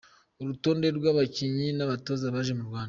Urutonde rw’abakinnyi n’abatoza baje mu Rwanda .